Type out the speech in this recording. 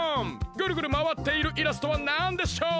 ぐるぐるまわっているイラストはなんでしょう？